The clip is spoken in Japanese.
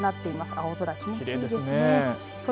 青空きもちいいですね。